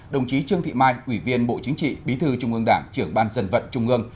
đồng chí trương thị mai ủy viên bộ chính trị bí thư trung ương đảng trưởng ban dân vận trung ương